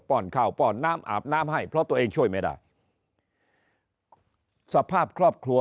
้อนข้าวป้อนน้ำอาบน้ำให้เพราะตัวเองช่วยไม่ได้สภาพครอบครัว